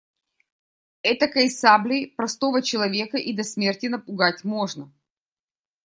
Этакой саблей простого человека и до смерти напугать можно.